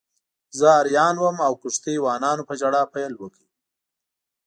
زه حیران وم او کښتۍ وانانو په ژړا پیل وکړ.